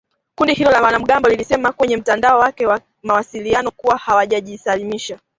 Kundi hilo la wanamgambo lilisema kwenye mtandao wake wa mawasiliano kuwa hawatojisalimisha.